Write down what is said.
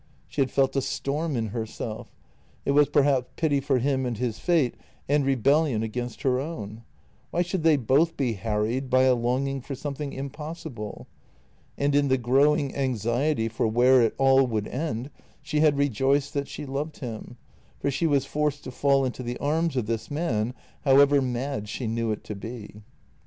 She had felt a storm in herself; it was perhaps pity for him and his fate and rebellion against her own — why should they both be harried by a longing for something impossible? — and in the growing anxiety for where it all would lead, she had rejoiced that she loved him, for she was forced to fall into the arms of this man, however mad she knew it to be.